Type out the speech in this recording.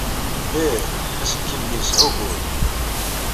Ih, aselkim-nni yesɛa ugur.